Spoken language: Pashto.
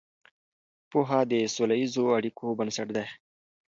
پوهه د سوله ییزو اړیکو بنسټ دی.